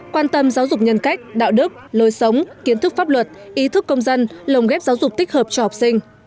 quan tâm giáo dục nhân cách đạo đức lối sống kiến thức pháp luật ý thức công dân lồng ghép giáo dục tích hợp cho học sinh